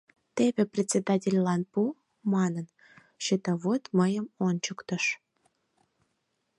— Теве, председательлан пу, — манын, счетовод мыйым ончыктыш.